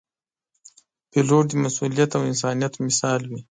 پیلوټ د مسؤلیت او انسانیت مثال وي.